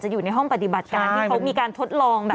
อยู่ในห้องปฏิบัติการที่เขามีการทดลองแบบ